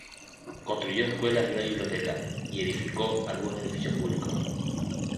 Construyó escuelas y una biblioteca, y edificó algunos edificios públicos.